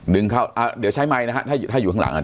ดึงเข้าอ่าเดี๋ยวใช้ไมค์นะฮะถ้าอยู่ถ้าอยู่ข้างหลังอ่ะ